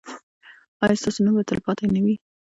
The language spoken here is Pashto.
ایا ستاسو نوم به تلپاتې نه وي؟